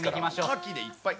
カキでいっぱい。